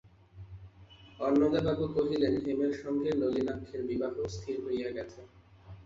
অন্নদাবাবু কহিলেন, হেমের সঙ্গে নলিনাক্ষের বিবাহ স্থির হইয়া গেছে।